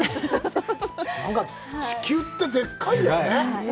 地球って、でっかいよね。